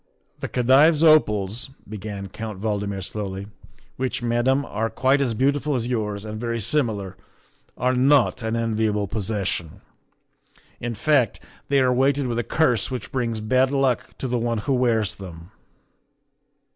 " The Khedive's opals," began Count Valdmir slowly, " which, Madame, are quite as beautiful as yours and very similar, are not an enviable possession. In fact, they are weighted with a curse which brings bad luck to the one who wears them."